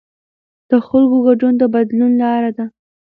د خلکو ګډون د بدلون لاره ده